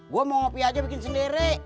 gue mau ngopi aja bikin sendiri